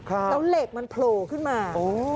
แล้วเหล็กมันโผล่ขึ้นมา